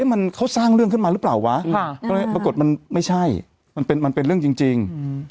มันเขาสร้างเรื่องขึ้นมาหรือเปล่าวะปรากฏมันไม่ใช่มันเป็นเรื่องจริง